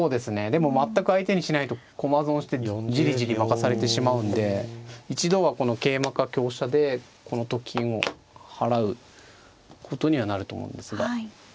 でも全く相手にしないと駒損してジリジリ負かされてしまうんで一度はこの桂馬か香車でこのと金を払うことにはなると思うんですが。